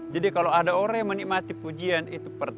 jadi kalau ada orang yang menikmati pujian itu pertanda